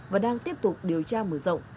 và đang tiếp tục điều tra mở rộng